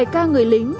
bảy ca người lính